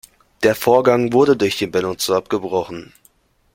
Der Vorgang wurde durch den Benutzer abgebrochen.